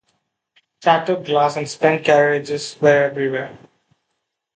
Shattered glass and spent carriages were everywhere.